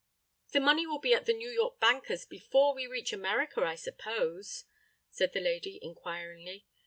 "The money will be at the New York banker's before we reach America, I suppose?" said the lady, inquiringly.